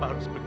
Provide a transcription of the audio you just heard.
agar dia ber